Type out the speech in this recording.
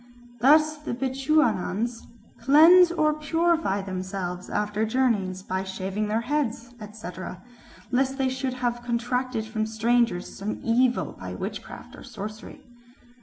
Thus the Bechuanas "cleanse or purify themselves after journeys by shaving their heads, etc., lest they should have contracted from strangers some evil by witchcraft or sorcery."